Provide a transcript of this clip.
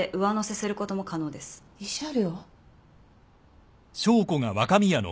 慰謝料。